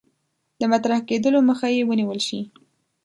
د مطرح کېدلو مخه یې ونیول شي.